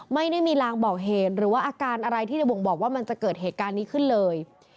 ไม่ได้มีลางบอกเหตุหรือว่าอาการอะไรที่ในบ่งบอกว่ามันจะเกิดเหตุการณ์นี้ขึ้นเลย